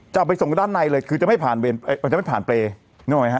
จะไปส่งด้านในเลยคือจะไม่ผ่านเวรเปรย์เอ่อจะไม่ผ่านเปรย์นึกออกไหมฮะ